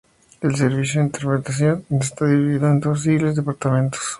El Servicio de Interpretación está dividido en los siguientes departamentos:.